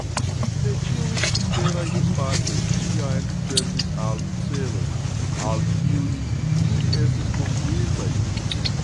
Ne ĉiuj subteraj spacoj ĉiam servis al celoj, al kiuj ili estis konstruitaj.